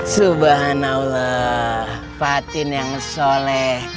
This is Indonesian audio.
subhanallah fatin yang soleh